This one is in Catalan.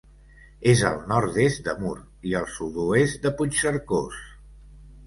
És al nord-est de Mur i al sud-oest de Puigcercós.